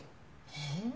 えっ？